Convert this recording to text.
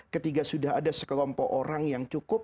ketika sudah ada sekelompok orang yang cukup